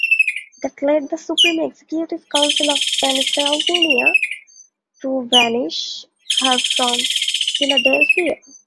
That led the Supreme Executive Council of Pennsylvania to banish her from Philadelphia.